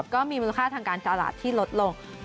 ก็มีมูลค่าทางการตลาดที่ลดลง